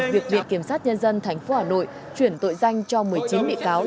việc việc kiểm sát nhân dân thành phố hà nội chuyển tội danh cho một mươi chín bị cáo